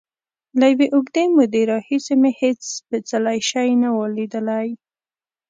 له یوې اوږدې مودې راهیسې مې هېڅ سپېڅلی شی نه و لیدلی.